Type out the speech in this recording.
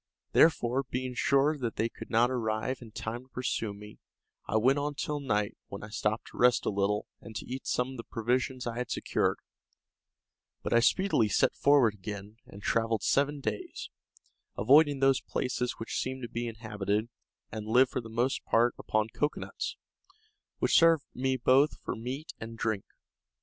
Therefore, being sure that they could not arrive in time to pursue me, I went on till night, when I stopped to rest a little, and to eat some of the provisions I had secured; but I speedily set forward again, and travelled seven days, avoiding those places which seemed to be inhabited, and lived for the most part upon cocoanuts, which served me both for meat and drink.